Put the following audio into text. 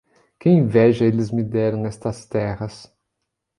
Que inveja eles me deram nestas terras!